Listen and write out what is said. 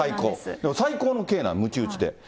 でも最高の刑なの、むち打ちで。